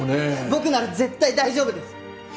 僕なら絶対大丈夫です！